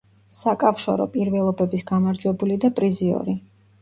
საკავშორო პირველობების გამარჯვებული და პრიზიორი.